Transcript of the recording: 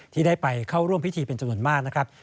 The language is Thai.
ที่ได้ไปเข้าร่วมพิธีเป็นจำนวนมากนะครับ